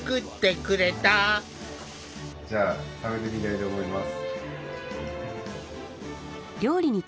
じゃあ食べてみたいと思います。